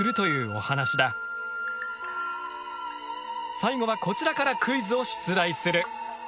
最後はこちらからクイズを出題する。